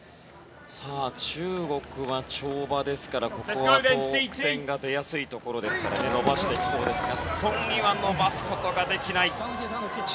中国は跳馬ですから、ここは得点が出やすいところなので伸ばしてきそうですがソン・イは伸ばすことはできない。１３．８３３。